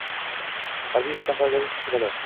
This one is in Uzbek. Harbiy-vatanparvarlik festivali